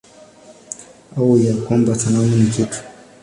Au ya kwamba sanamu ni kitu?